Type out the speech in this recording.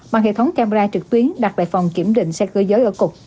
bằng hệ thống camera trực tuyến đặt tại phòng kiểm định xe cơ giới ở cục